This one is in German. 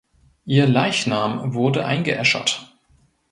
Ihr Leichnam wurde eingeäschert.